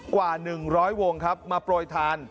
กว่า๑๐๐วงครับมาโปรยทาน